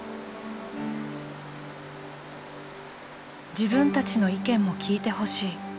「自分たちの意見も聞いてほしい」。